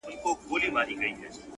ستـا د سونډو رنگ ـ